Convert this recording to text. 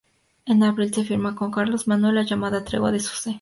En abril se firma con Carlos Manuel la llamada "tregua de Suse".